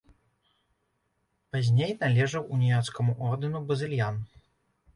Пазней належаў уніяцкаму ордэну базыльян.